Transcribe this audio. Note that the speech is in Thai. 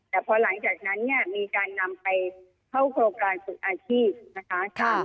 แต่พอหลังจากนั้นมีการนำไปเข้าโครงการศึกษ์อาทิตย์นะคะ